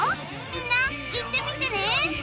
みんな行ってみてね